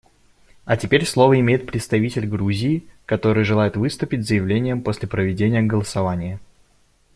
А теперь слово имеет представитель Грузии, который желает выступить с заявлением после проведения голосования.